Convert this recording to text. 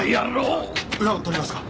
裏を取りますか？